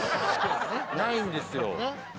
ないんですよ。